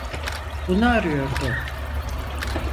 Bunu arıyordum.